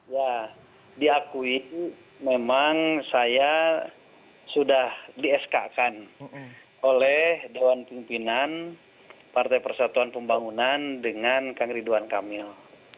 ya diakui memang saya sudah di sk kan oleh dewan pimpinan partai persatuan pembangunan dengan kang ridwan kamil